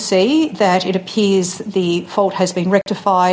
saya melihat bahwa salahnya telah direktifikasi